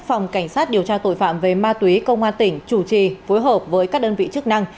phòng cảnh sát điều tra tội phạm về ma túy công an tỉnh chủ trì phối hợp với các đơn vị chức năng